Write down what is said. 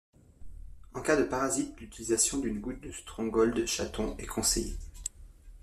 En cas de parasites l'utilisation d'une goute de stronghold chaton est conseillé.